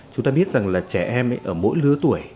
chúng ta biết rằng là trẻ em ở mỗi lứa tuổi